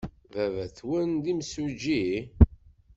Baba-twent d imsujji?